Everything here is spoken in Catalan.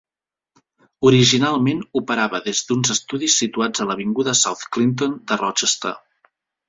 Originalment operava des d'uns estudis situats a l'avinguda South Clinton de Rochester.